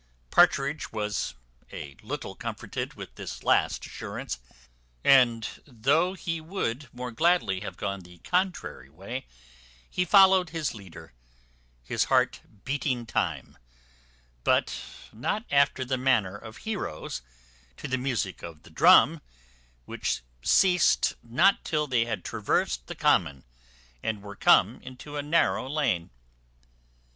Partridge was a little comforted with this last assurance; and though he would more gladly have gone the contrary way, he followed his leader, his heart beating time, but not after the manner of heroes, to the music of the drum, which ceased not till they had traversed the common, and were come into a narrow lane.